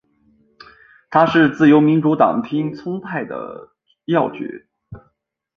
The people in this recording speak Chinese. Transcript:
他是自由民主党町村派的要角。